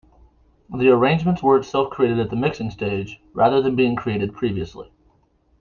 The arrangements were itself created at the mixing stage, rather than being created previously.